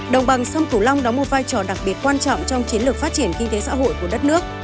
đồng bằng sông cửu long đóng một vai trò đặc biệt quan trọng trong chiến lược phát triển kinh tế xã hội của đất nước